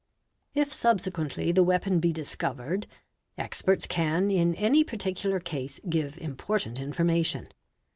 If subsequently the weapon be discovered, experts can in any parti — cular case give important information.